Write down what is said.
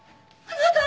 あなた！